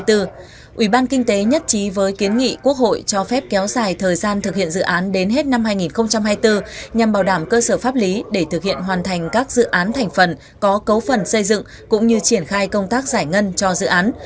ủy ban kinh tế nhất trí với kiến nghị quốc hội cho phép kéo dài thời gian thực hiện dự án đến hết năm hai nghìn hai mươi bốn nhằm bảo đảm cơ sở pháp lý để thực hiện hoàn thành các dự án